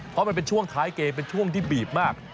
เพราะมันเป็นช่วงท้ายเกมเป็นช่วงที่บีบมาก